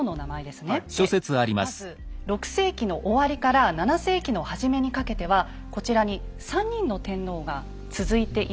でまず６世紀の終わりから７世紀の初めにかけてはこちらに３人の天皇が続いています。